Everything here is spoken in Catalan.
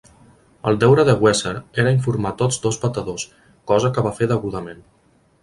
El deure de Weser era informar tots dos batedors, cosa que va fer degudament.